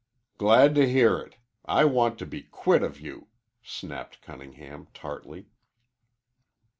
"Glad to hear it. I want to be quit of you," snapped Cunningham tartly.